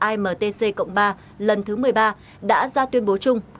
imtc cộng ba lần thứ một mươi ba đã ra tuyên bố chung